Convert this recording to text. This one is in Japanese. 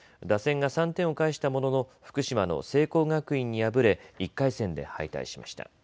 打線が３点を返したものの福島の聖光学院に敗れ１回戦で敗退しました。